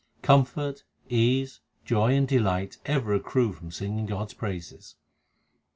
Comfort, ease, joy, and delight ever accrue from singing God s praises.